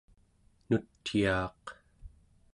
nutyaaq